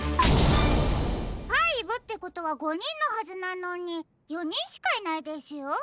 ５ってことは５にんのはずなのに４にんしかいないですよ。